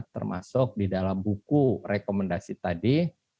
termasuk di dalam buku rekomendasi tadi